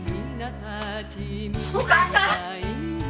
・お母さん？